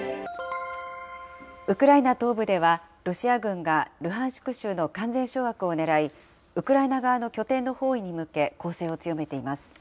ウクライナ東部では、ロシア軍がルハンシク州の完全掌握をねらい、ウクライナ側の拠点の包囲に向け、攻勢を強めています。